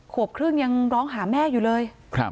ขวบครึ่งยังร้องหาแม่อยู่เลย